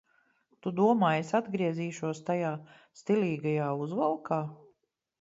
Tu domā, es atgriezīšos tajā stilīgajā uzvalkā?